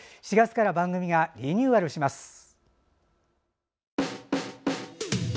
４月から番組がリニューアルします。